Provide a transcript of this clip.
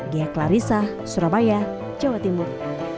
ghea klarissa surabaya jawa timur